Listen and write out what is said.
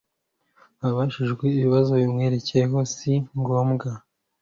abajijwe ibibazo bimwerekeye, si ngombwa